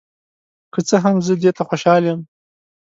که څه هم، زه دې ته خوشحال یم.